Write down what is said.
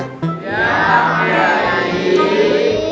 ya pak kira ini